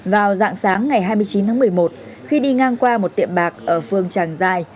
vào dạng sáng ngày hai mươi chín tháng một mươi một khi đi ngang qua một tiệm bạc ở phương tràng giai